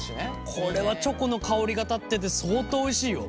これはチョコの香りが立ってて相当おいしいよ。